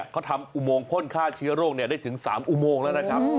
เขาทำอุโมงพ่นฆ่าเชื้อโรคได้ถึง๓อุโมงแล้วนะครับ